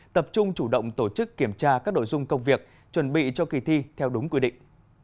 tập trung chủ động tổ chức kiểm tra các đội dung công việc chuẩn bị cho kỳ thi theo đúng quy định